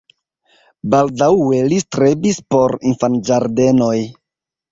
Baldaŭe li strebis por infanĝardenoj.